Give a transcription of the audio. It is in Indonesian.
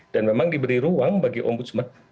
dan memang diberi ruang bagi ombudsman